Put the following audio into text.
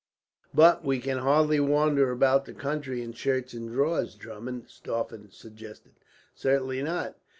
"But we can hardly wander about the country in shirts and drawers, Drummond," Stauffen suggested. "Certainly not.